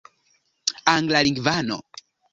anglalingvano